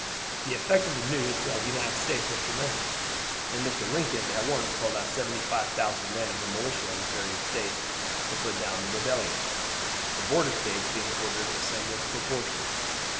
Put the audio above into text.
The effect of the news throughout the United States was tremendous, and Mr. Lincoln at once called out 75,000 men of the militia of the various States to put down the rebellion the border States being ordered to send their proportion.